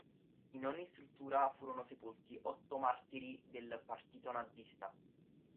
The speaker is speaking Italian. In ogni struttura furono sepolti otto martiri del Partito Nazista.